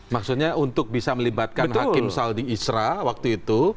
maksudnya untuk bisa melibatkan hakim saldi isra waktu itu